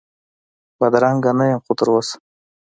بدرنګه نه یم خو تراوسه،